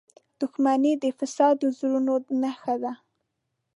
• دښمني د فاسدو زړونو نښه ده.